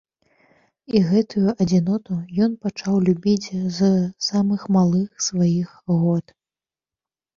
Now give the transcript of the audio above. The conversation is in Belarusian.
І гэтую адзіноту ён пачаў любіць з самых малых сваіх год.